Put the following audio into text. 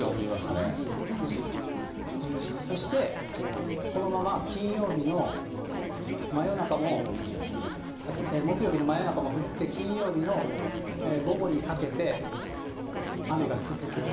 ９時、１０時、そしてこのまま金曜日の真夜中も、木曜日の真夜中も降って、金曜日の午後にかけて、雨が続くと。